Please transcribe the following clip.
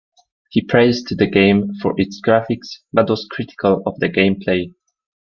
He praised the game for its graphics, but was critical of the gameplay.